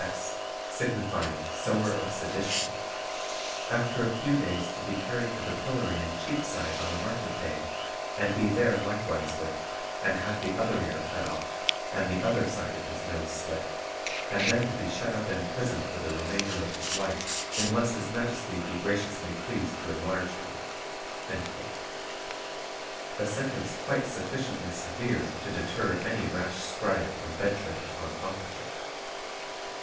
signifying Sower of Sedition: after a few days to be carried to the pillory in Cheapside on a market day, and be there likewise whipped, and have the other ear cut off, and the other side of his nose slit, and then to be shut up in prison for the remainder of his life, unless his Majesty be graciously pleased to enlarge him." A sentence quite sufficiently severe to deter any rash scribe from venturing upon authorship!